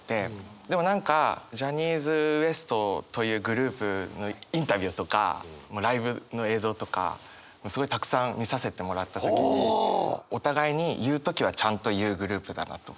でも何かジャニーズＷＥＳＴというグループのインタビューとかライブの映像とかすごいたくさん見させてもらった時にお互いに言う時はちゃんと言うグループだなと思って。